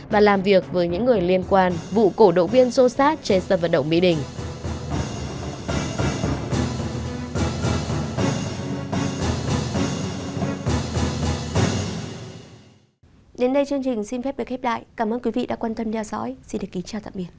và làm việc với những người liên quan vụ cổ động viên xô xát trên sân vận động mỹ đình